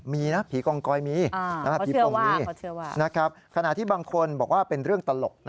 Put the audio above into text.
มีนะผีกองกอยมีคำที่ผมมี